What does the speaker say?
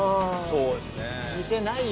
そうですね。